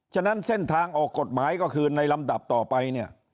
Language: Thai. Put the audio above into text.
ฉะนั้นเส้นทางออกกฎหมายก็คือในลำดับต่อไปเนี่ย